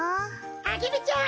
アゲルちゃん！